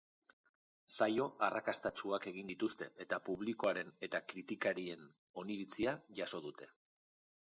Saio arrakastatsuak egin dituzte, eta publikoaren eta kritikarien oniritzia jaso dute.